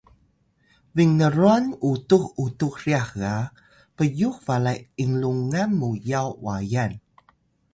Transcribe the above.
binrwan utux utux ryax ga pyux balay lnlungun mu yaw wayan